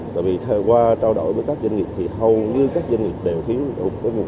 tại vì thời qua trao đổi với các doanh nghiệp thì hầu như các doanh nghiệp đều thiếu một nguồn do động